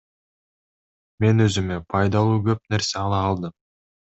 Мен өзүмө пайдалуу көп нерсе ала алдым.